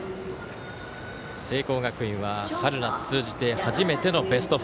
聖光学院は春夏通じて初めてのベスト４。